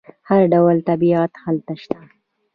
هر ډول طبیعت هلته شته.